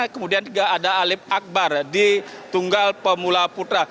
kemudian juga ada alip akbar di tunggal pemula putra